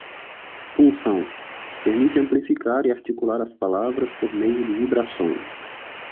Função: permite amplificar e articular as palavras por meio de vibrações.